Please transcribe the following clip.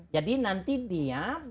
jadi nanti dia